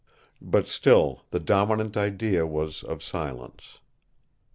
But still the dominant idea was of silence.